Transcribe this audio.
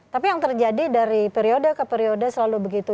tapi yang terjadi dari periode ke periode selalu begitu